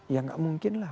ya gak mungkin lah